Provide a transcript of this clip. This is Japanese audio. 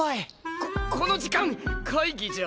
ここの時間会議じゃ。